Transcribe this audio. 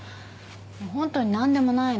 ホントに何でもないの。